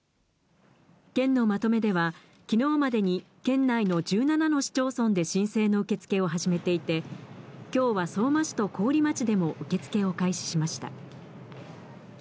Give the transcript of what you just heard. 県のまとめでは、きのうまでに県内の１７の市町村で申請の受け付けを始めていて、きょうは相馬市と桑折町でも受け付けを開始しました。